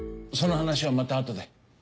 その話はまたあとで。